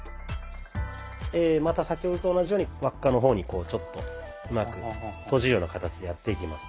また先ほどと同じように輪っかの方にこうちょっとうまくとじるような形でやっていきます。